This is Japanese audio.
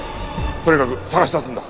とにかく捜し出すんだ！